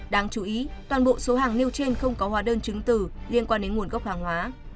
đáng chú ý toàn bộ số hàng nêu trên không có hóa đơn chứng từ liên quan đến nguồn gốc hàng hóa